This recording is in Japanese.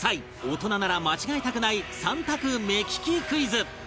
大人なら間違えたくない３択目利きクイズ